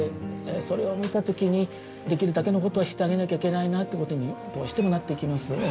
それを見た時にできるだけのことをしてあげなきゃいけないなということにどうしてもなってきますよね。